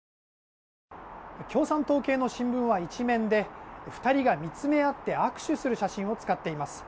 共産党系の新聞は１面で２人が見つめ合って握手する写真を使っています。